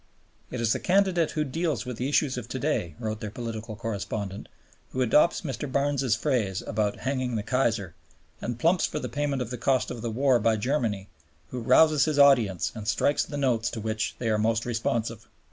"It is the candidate who deals with the issues of to day," wrote their Political Correspondent, "who adopts Mr. Barnes's phrase about 'hanging the Kaiser' and plumps for the payment of the cost of the war by Germany, who rouses his audience and strikes the notes to which they are most responsive."